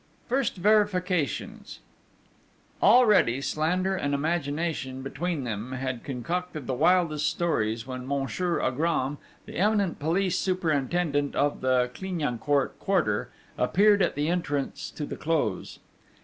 First Verifications Already slander and imagination between them had concocted the wildest stories, when Monsieur Agram, the eminent police superintendent of the Clignancourt Quarter, appeared at the entrance to the Close.